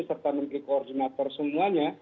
serta menteri koordinator semuanya